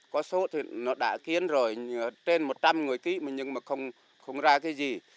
có số thì nó đã kiến rồi trên một trăm linh người ký mà nhưng mà không ra cái gì